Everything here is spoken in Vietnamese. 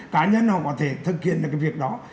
cá nhân họ có thể thực hiện được cái việc đó